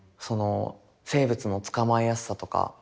生物の捕まえやすさとか。